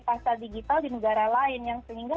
pasar digital di negara lain yang sehingga